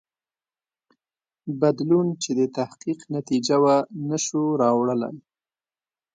بدلون چې د تحقیق نتیجه وه نه شو راوړلای.